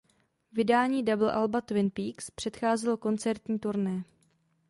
Vydání double alba "Twin Peaks" předcházelo koncertní turné.